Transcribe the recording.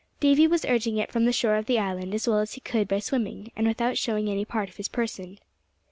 Davy was urging it from the shore of the island as well as he could by swimming, and without showing any part of his person.